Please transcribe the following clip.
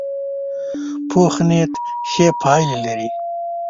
پوخ نیت ښې پایلې لري